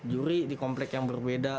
juri di komplek yang berbeda